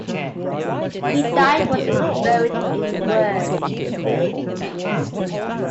He died and was buried in Worms.